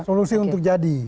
solusi untuk jadi